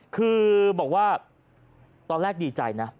คือบอกว่าตอนแรกดีใจนะ